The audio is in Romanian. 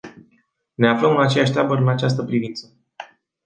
Ne aflăm în aceeași tabără în această privință.